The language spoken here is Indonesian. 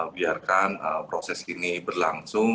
biarkan proses ini berlangsung